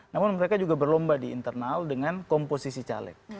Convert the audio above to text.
namun mereka juga berlomba di internal dengan komposisi caleg